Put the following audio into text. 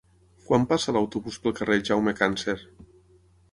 Quan passa l'autobús pel carrer Jaume Càncer?